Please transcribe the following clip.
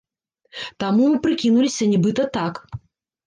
Таму мы прыкінуліся, нібыта, так!